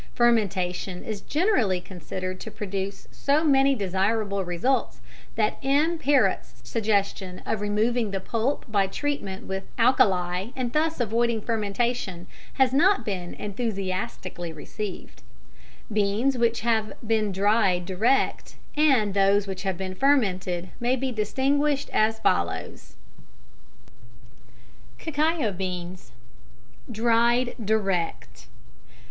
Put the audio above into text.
Fermentation is generally considered to produce so many desirable results that M. Perrot's suggestion of removing the pulp by treatment with alkali, and thus avoiding fermentation, has not been enthusiastically received. Comptes Rendus, 1913. Beans which have been dried direct and those which have been fermented may be distinguished as follows: CACAO BEANS DRIED DIRECT.